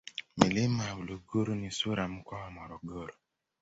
milima ya uluguru ni sura ya mkoa wa morogoro